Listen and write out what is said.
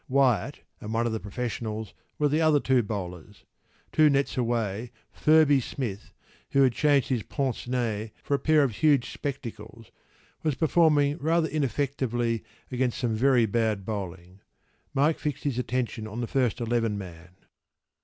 Wyatt and one of the professionals were the other two bowlers.  Two nets away Firby Smith, who had changed his pince nez for a pair of huge spectacles, was performing rather ineffectively against some very bad bowling.  Mike fixed his attention on the first eleven man.